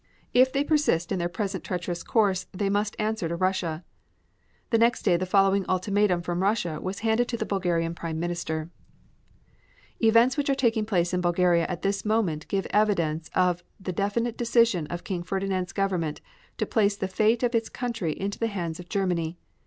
If they persist in their present treacherous course they must answer to Russia." The next day the following ultimatum from Russia was handed the Bulgarian Prime Minister: Events which are taking place in Bulgaria at this moment give evidence of the definite decision of King Ferdinand's Government to place the fate of its country in the hands of Germany.